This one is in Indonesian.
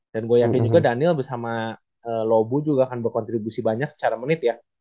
dan gue yakin juga daniel bersama lobu juga akan berkontribusi banyak secara menit ya